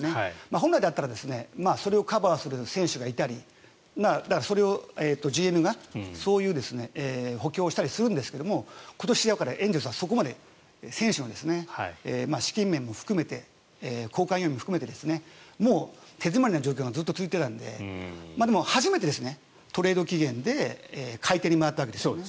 本来であったらそれをカバーする選手がいたりだから、それをＧＭがそういう補強をしたりするんですが今年はエンゼルスはそこまで選手の資金面も含めて交換要員も含めて手詰まりな状況が続いていたのででも、初めてトレード期限で買い手に回ったわけですね。